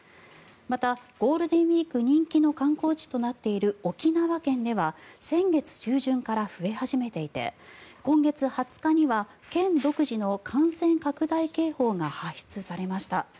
また、ゴールデンウィークで人気の観光地となっている沖縄県では先月中旬から増え始めていて今月２０日には県独自の感染拡大警報が発出されました。